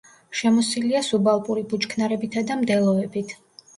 შემოსილია სუბალპური ბუჩქნარებითა და მდელოებით.